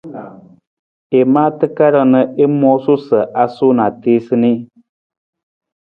I maa takarang na i moosu sa a suu na a tiisa nii.